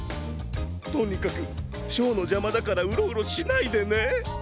とにかくショーのじゃまだからウロウロしないでね！